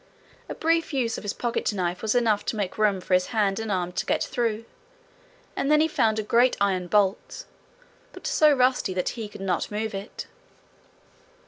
A brief use of his pocket knife was enough to make room for his hand and arm to get through, and then he found a great iron bolt but so rusty that he could not move it.